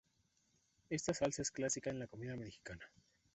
Esta salsa es clásica en la comida mexicana.